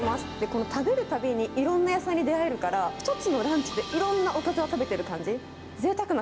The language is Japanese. この食べるたびにいろんな野菜に出会えるから、一つのランチでいろんなおかずを食べてる感じ。